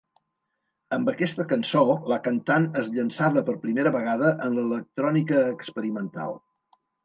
Amb aquesta cançó, la cantant es llançava per primera vegada en l'electrònica experimental.